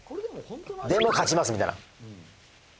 でも勝ちますみたいな。